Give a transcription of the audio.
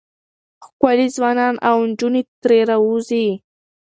ښکلي ځوانان او نجونې ترې راوځي.